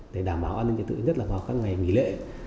để đảm bảo an ninh trật tự nhất là vào các ngày nghỉ lễ